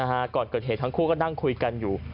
เห็นทั้งคู่ก็นั่งคุยกันอยู่